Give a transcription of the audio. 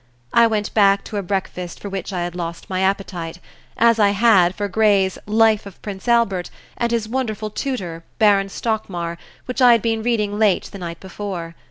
I went back to a breakfast for which I had lost my appetite, as I had for Gray's "Life of Prince Albert" and his wonderful tutor, Baron Stockmar, which I had been reading late the night before.